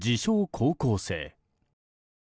高校生。